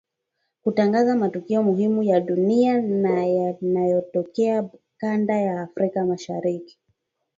kutangaza matukio muhimu ya dunia na yanayotokea kanda ya Afrika Mashariki